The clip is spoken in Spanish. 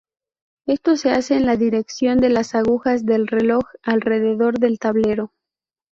Esto se hace en la dirección de las agujas del reloj alrededor del tablero.